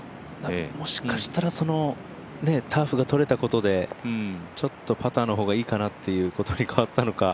もしかしたら、ターフが取れたことでちょっとパターの方がいいかなってことに変わったのか。